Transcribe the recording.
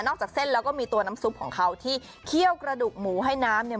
จากเส้นแล้วก็มีตัวน้ำซุปของเขาที่เคี่ยวกระดูกหมูให้น้ำเนี่ย